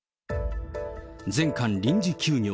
全館臨時休業。